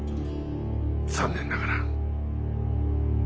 残念ながら。